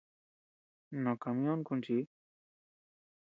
No camión kuchi.